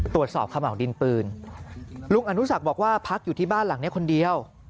ขม่าวดินปืนลุงอนุสักบอกว่าพักอยู่ที่บ้านหลังนี้คนเดียว